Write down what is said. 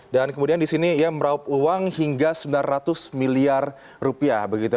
dan kemudian di sini merauh uang hingga sembilan ratus miliar rupiah